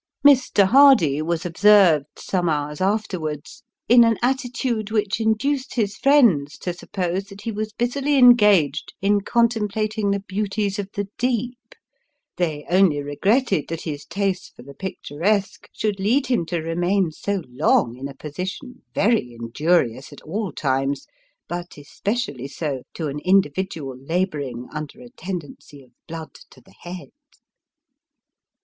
Mr. Hardy was observed, some hours afterwards, in an attitude which induced his friends to suppose that he was busily engaged in contemplating the beauties of the deep ; they only regretted that his taste for the picturesque should lead him to remain so long in a position, very injurious at all times, but especially so, to an individual labouring under a tendency of blood to the head.